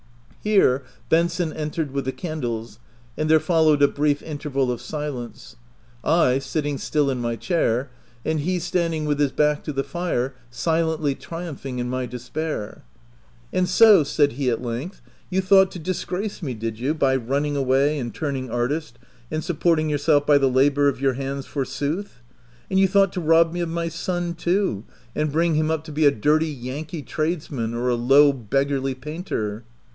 Here Benson entered with the candles, and there followed a brief interval of silence — I sit ting still in my chair, and he standing with his back to the fire, silently triumphing in my de spair. "And so/' said heat length, "you thought to disgrace me, did you, by running away and turning artist, and supporting yourself by the labour of your hands, forsooth? And you thought to rob me of my son too, and bring OF WILDFELL HALL. 65 him up to be a dirty Yankee tradesman, or a low, beggarly painter